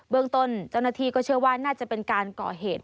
เรื่องต้นเจ้าหน้าที่ก็เชื่อว่าน่าจะเป็นการก่อเหตุ